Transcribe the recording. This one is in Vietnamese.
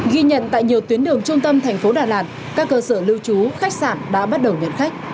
ghi nhận tại nhiều tuyến đường trung tâm thành phố đà lạt các cơ sở lưu trú khách sạn đã bắt đầu nhận khách